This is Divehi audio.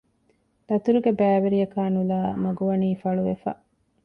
ދަތުރުގެ ބައިވެރިޔަކާ ނުލައި މަގު ވަނީ ފަޅުވެފަ